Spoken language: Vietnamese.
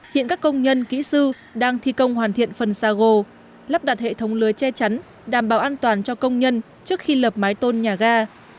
hiện các công nhân kỹ sư đang thi công hoàn thiện phần xa gồ lắp đặt hệ thống lưới che chắn đảm bảo an toàn cho công nhân trước khi lập mái tôn nhà ga